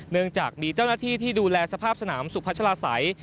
เนื่องจากมีเจ้าหน้าที่ที่ดูแลสภาพสนามสุพัชลาศัย